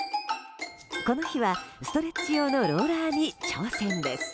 この日はストレッチ用のローラーに挑戦です。